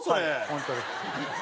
本当に？